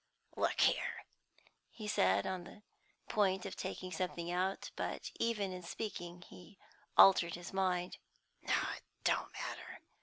"Look here," he said, on the point of taking something out; but, even in speaking, he altered his mind. "No; it don't matter.